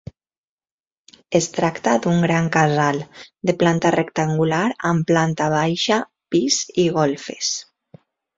Es tracta d’un gran casal de planta rectangular, amb planta baixa, pis i golfes.